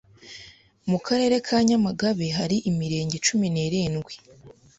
Mu Karere ka Nyamagabe hari imirenge cumi nirindwi